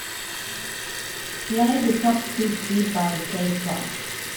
Play the top fifty by Kate Bush.